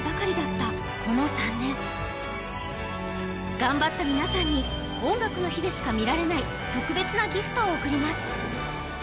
頑張った皆さんに「音楽の日」でしか見られない特別なＧＩＦＴを送ります。